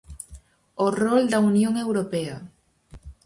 O rol da Unión Europea.